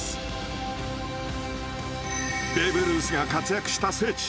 ベーブ・ルースが活躍した聖地